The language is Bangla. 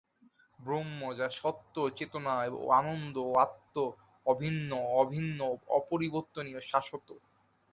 ব্রহ্ম, যা সত্য, চেতনা ও আনন্দ, এবং আত্মা অ-ভিন্ন, অভিন্ন, অপরিবর্তনীয় ও শাশ্বত।